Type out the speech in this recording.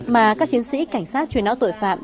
mà các chiến sĩ cảnh sát chuyên áo tội phạm